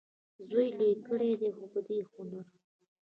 زوی یې لوی کړی دی په دې هنر.